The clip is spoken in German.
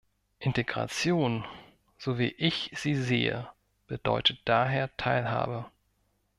Integration, so wie ich sie sehe, bedeutet daher Teilhabe.